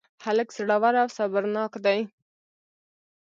هلک زړور او صبرناک دی.